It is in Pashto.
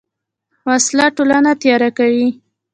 وسله ټولنه تیاره کوي